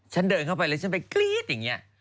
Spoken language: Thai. เดินเข้าไปแล้วฉันไปกรี๊ดอย่างนี้